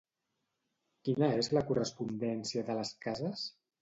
Quina és la correspondència de les cases?